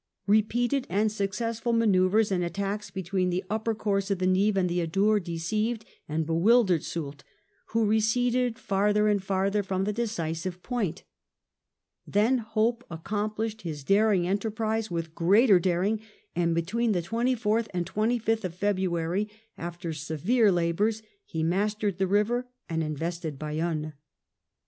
Kepeated and successful manoeuvres and attacks between the upper course of the Nive and the Adour deceived and be wildered Soult, who receded farther and farther from the decisive point. Then Hope accomplished his daring enterprise with greater daring, and between the 24th and 25th of February, after severe labours, he mastered the river and invested Bayonne.